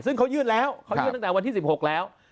ซึ่งเขายื่นแล้วเขายื่นตั้งแต่วันที่๑๖แล้ว